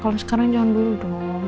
kalau sekarang jangan dulu dong